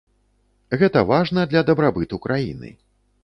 Гэта важна для дабрабыту краіны.